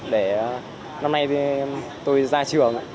để năm nay tôi ra trường